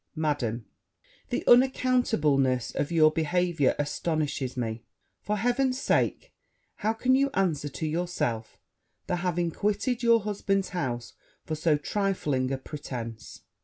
Madam, The unaccountableness of your behaviour astonishes me! For heaven's sake, how can you answer to yourself the having quitted your husband's house for so trifling a pretence?